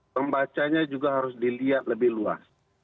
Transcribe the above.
pembacanya juga harus dilihat lebih luas